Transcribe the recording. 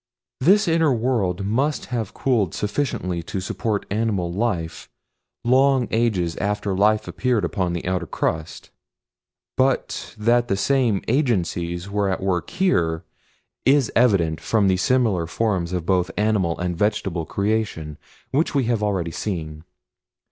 "This inner world must have cooled sufficiently to support animal life long ages after life appeared upon the outer crust, but that the same agencies were at work here is evident from the similar forms of both animal and vegetable creation which we have already seen.